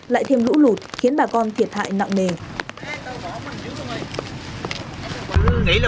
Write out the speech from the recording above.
lại thêm lũ lụt khiến bà con thiệt hại nặng nề